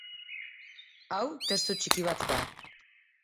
Hau testu txiki bat da.